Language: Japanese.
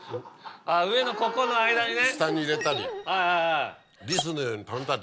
あぁ上のここの間にね。